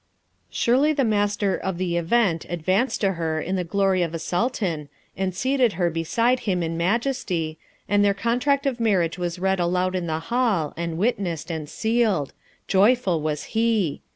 Surely the Master of the Event advanced to her in the glory of a Sultan, and seated her beside him in majesty, and their contract of marriage was read aloud in the Hall, and witnessed, and sealed: joyful was he!